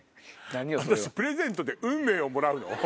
プレゼントで運命をもらうの？